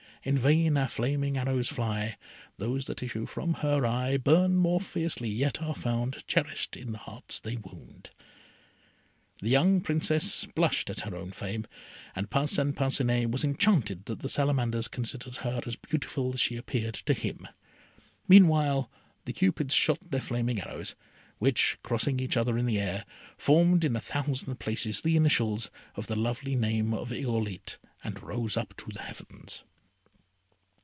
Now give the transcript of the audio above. In vain our flaming arrows fly; Those that issue from her eye Burn more fiercely, yet are found Cherished in the hearts they wound. The young Princess blushed at her own fame, and Parcin Parcinet was enchanted that the Salamanders considered her as beautiful as she appeared to him. Meanwhile, the Cupids shot their flaming arrows, which, crossing each other in the air, formed in a thousand places the initials of the lovely name of Irolite, and rose up to the Heavens.